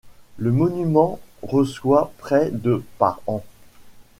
Le monument reçoit près de par an.